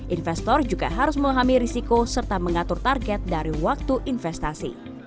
investor juga harus memahami risiko serta mengatur target dari waktu investasi